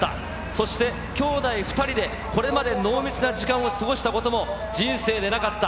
そして、兄弟２人でこれまで濃密な時間を過ごしたことも人生でなかった。